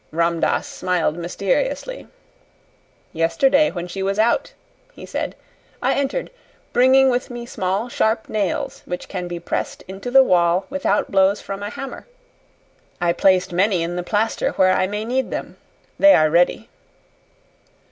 Ram Dass smiled mysteriously. "Yesterday, when she was out," he said, "I entered, bringing with me small, sharp nails which can be pressed into the wall without blows from a hammer. I placed many in the plaster where I may need them. They are ready."